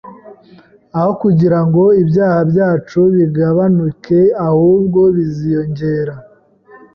aho kugira ngo ibyaha byacu bigabanuke ahubwo biziyongera